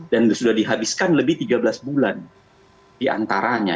dan sudah dihabiskan lebih tiga belas bulan diantaranya